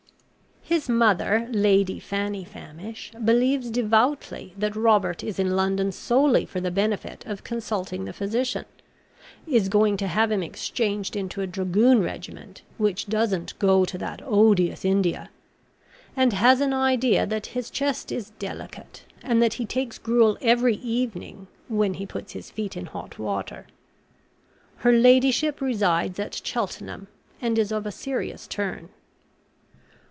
His mother, Lady Fanny Famish, believes devoutly that Robert is in London solely for the benefit of consulting the physician; is going to have him exchanged into a dragoon regiment, which doesn't go to that odious India; and has an idea that his chest is delicate, and that he takes gruel every evening, when he puts his feet in hot water. Her Ladyship resides at Cheltenham, and is of a serious turn.